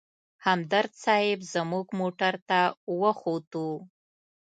همدرد صیب زموږ موټر ته وختو.